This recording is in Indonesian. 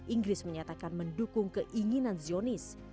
inggris menyatakan mendukung keinginan zionis